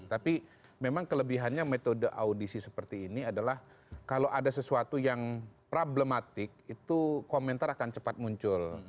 tapi memang kelebihannya metode audisi seperti ini adalah kalau ada sesuatu yang problematik itu komentar akan cepat muncul